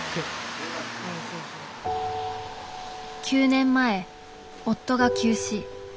９年前夫が急死。